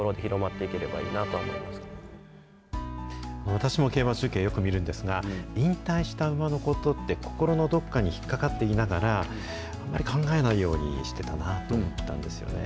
私も競馬中継、よく見るんですが、引退した馬のことって、心のどこかに引っ掛かっていながら、あんまり考えないようにしてたなと思ったんですよね。